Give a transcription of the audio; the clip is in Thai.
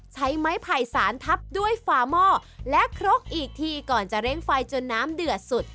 ใช้ไม้ไผ่สารทับด้วยฝาหม้อและครกอีกทีก่อนจะเร่งไฟจนน้ำเดือดสุด